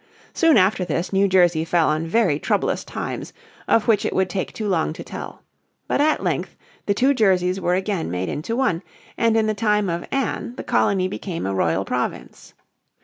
Soon after this New Jersey fell on very troublous times, of which it would take too long to tell. But at length the two Jerseys were again made into one, and in the time of Anne the colony became a Royal Province.